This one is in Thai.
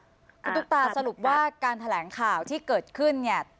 คุณตุ๊กตาสรุปว่าการแถลงข่าวที่เกิดขึ้นเนี่ย